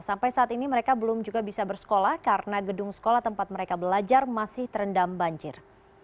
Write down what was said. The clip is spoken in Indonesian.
sampai saat ini mereka belum juga bisa bersekolah karena gedung sekolah tempat mereka belajar masih terendam banjir